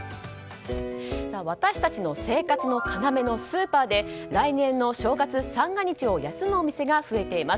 私たちの生活の要のスーパーで来年の正月三が日を休むお店が増えています。